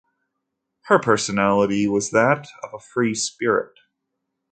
Her personality was that of a free spirit.